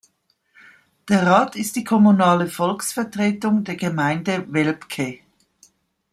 Der Rat ist die kommunale Volksvertretung der Gemeinde Velpke.